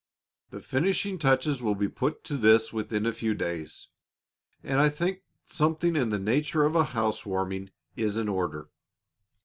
The finishing touches will be put to this within a few days, and I think something in the nature of a housewarming is in order.